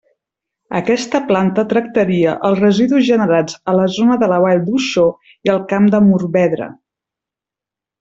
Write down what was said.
Aquesta planta tractaria els residus generats a la zona de la Vall d'Uixó i el Camp de Morvedre.